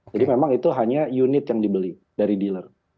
jadi memang itu hanya unit yang dibeli dari dealer